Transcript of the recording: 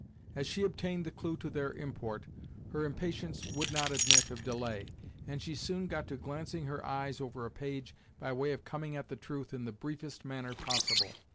As she obtained the clue to their import, her impatience would not admit of delay, and she soon got to glancing her eyes over a page by way of coming at the truth in the briefest manner possible.